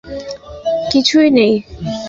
রাস্তার খাবারের চেয়ে ভালো স্বাদ আর কিছুই নেই।